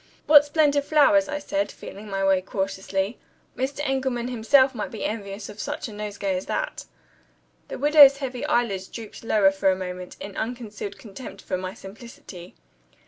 "What splendid flowers!" I said, feeling my way cautiously. "Mr. Engelman himself might be envious of such a nosegay as that." The widow's heavy eyelids drooped lower for a moment, in unconcealed contempt for my simplicity.